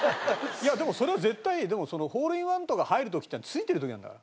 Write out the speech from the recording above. いやでもそれは絶対でもそのホールインワンとか入る時ってついてる時なんだから。